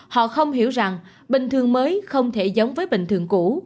họ không hiểu rằng bình thường mới không thể giống với bình thường cũ